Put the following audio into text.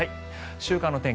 週間の天気